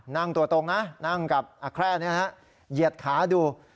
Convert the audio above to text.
นั่งตัวตรงนะนั่งกับแคร่นี้นะฮะเหยียดขาดู